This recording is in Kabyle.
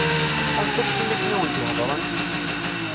Anta-tt tin akken i wen-d-iheddṛen?